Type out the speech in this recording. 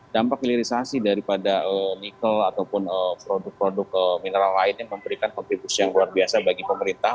dampak hilirisasi daripada nikel ataupun produk produk mineral lainnya memberikan kontribusi yang luar biasa bagi pemerintah